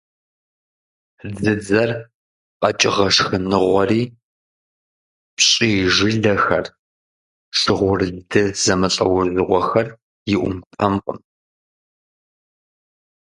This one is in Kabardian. Дзыдзэр къэкӀыгъэ шхыныгъуэри - пщӀий жылэхэр, шыгъурлды зэмылӀэужьыгъуэхэр - и Ӏумпэмкъым.